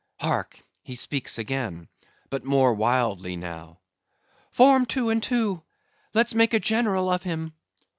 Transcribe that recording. —Hark! he speaks again: but more wildly now." "Form two and two! Let's make a General of him!